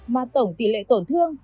mà tổng tỷ lệ tổn thương